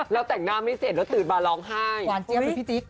เราแต่งหน้าไม่เสร็จแล้วตืดมาร้องไห้